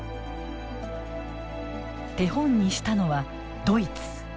手本にしたのはドイツ。